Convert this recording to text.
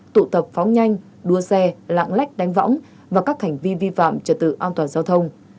tụ tập phóng nhanh đua xe lạng lách đánh võng và các hành vi vi phạm trật tự an toàn giao thông